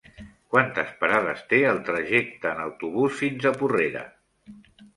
Quantes parades té el trajecte en autobús fins a Porrera?